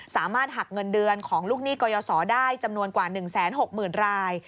สามารถหักเงินเดือนของลูกหนี้กยศได้จำนวนกว่า๑๖๐๐๐ราย